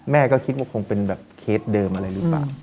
แม่ก็คิดว่าคงเป็นแบบเคสเดิมอะไรหรือเปล่า